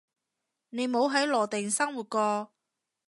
你冇喺羅定生活過